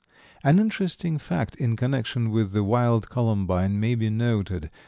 An interesting fact in connection with the wild columbine may be noted.